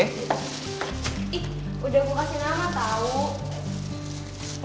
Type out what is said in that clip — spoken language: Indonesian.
ih udah mau kasih nama tau